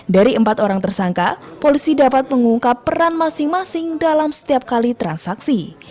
dari empat orang tersangka polisi dapat mengungkap peran masing masing dalam setiap kali transaksi